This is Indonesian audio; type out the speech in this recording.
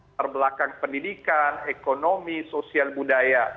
terbelakang pendidikan ekonomi sosial budaya